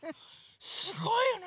すごいよね！